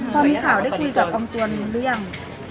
พอมีข่าวได้คุยกับออมตวนหรือยัง